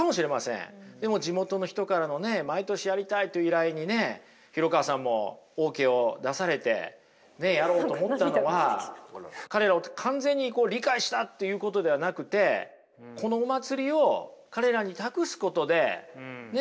でも地元の人からのね毎年やりたいという依頼にね廣川さんもＯＫを出されてやろうと思ったのは彼らを完全に理解したっていうことではなくてこのお祭りを彼らに託すことでね